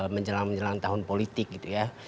menjelang menjelang tahun politik gitu ya